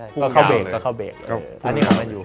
ก็เข้าเบรกเลย